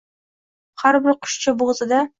Har bir qushcha bo‘g‘zida